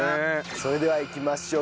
それではいきましょう。